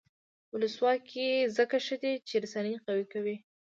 ولسواکي ځکه ښه ده چې رسنۍ قوي کوي.